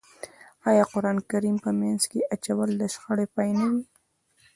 آیا قرآن کریم په منځ کې اچول د شخړې پای نه وي؟